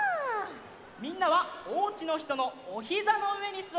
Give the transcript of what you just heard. みんなはおうちのひとのおひざのうえにすわってください。